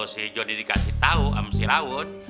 si jodi dikasih tau sama si rawut